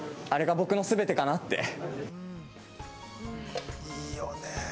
あれが僕の全てかなって。